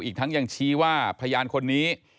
อีกทั้งยังชี้ว่าพยานคนนี้